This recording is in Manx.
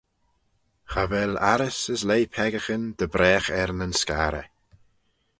Cha vel arrys as leih peccaghyn dy bragh er nyn scarrey.